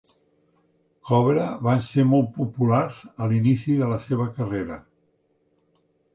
Cobra van ser molt populars a l'inici de la seva carrera.